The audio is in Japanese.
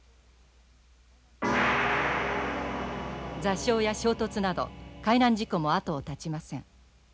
座礁や衝突など海難事故も後を絶ちません。